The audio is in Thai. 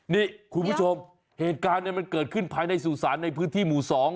นี่คุณผู้ชมเหตุการณ์มันเกิดขึ้นภายในสู่สารในพื้นที่หมู่๒